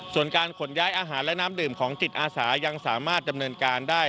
ส่วนการขนย้ายอาหารและน้ำดื่มของจิตอาสายังสามารถดำเนินการได้